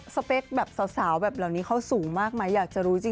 สเปคแบบสาวแบบเหล่านี้เขาสูงมากไหมอยากจะรู้จริง